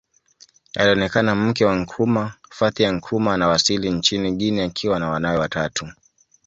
Alionekana mke wa Nkrumah Fathia Nkrumah anawasili nchini Guinea akiwa na wanawe watatu